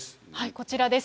こちらです。